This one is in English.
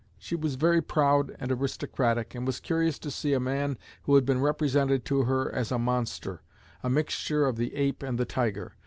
She was very proud and aristocratic, and was curious to see a man who had been represented to her as a monster, a mixture of the ape and the tiger.